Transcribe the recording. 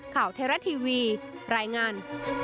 ข่าวเทราะทีวีรายงาน